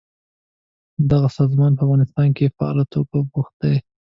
دغه سازمان په افغانستان کې فعاله توګه بوخت دی.